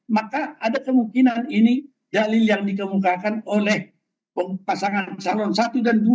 maka ada kemungkinan ini dalil yang dikemukakan oleh pasangan calon satu dan dua